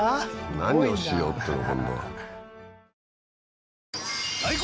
何をしようっていうの？